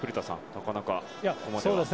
なかなかここまでは。